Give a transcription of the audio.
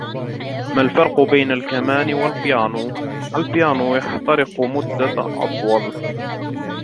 ما الفرق بين الكمان والبيانو ؟ البيانو يحترق مدة أطول.